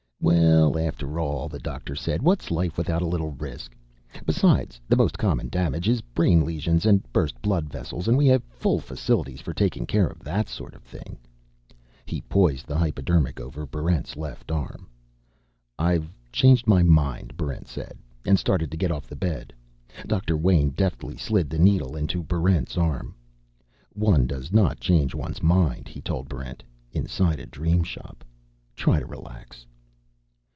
"Well, after all," the doctor said, "what's life without a little risk? Besides, the most common damage is brain lesions and burst blood vessels. And we have full facilities for taking care of that sort of thing." He poised the hypodermic over Barrent's left arm. "I've changed my mind," Barrent said, and started to get off the bed. Doctor Wayn deftly slid the needle into Barrent's arm. "One does not change one's mind," he told Barrent, "inside a Dream Shop. Try to relax...."